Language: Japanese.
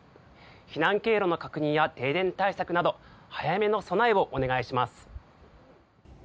避難経路の確認や停電対策など早めの備えをお願いします。